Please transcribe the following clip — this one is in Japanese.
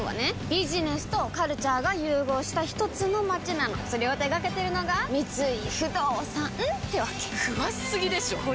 ビジネスとカルチャーが融合したひとつの街なのそれを手掛けてるのが三井不動産ってわけ詳しすぎでしょこりゃ